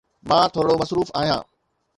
مان ٿورڙو مصروف آهيان.